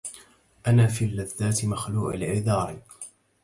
أنا في اللذات مخلوع العذار